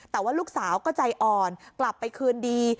แต่ว่าลูกสาวก็ใจอ่อนกลับไปคืนดี